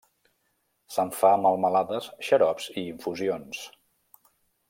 Se'n fa melmelades, xarops i infusions.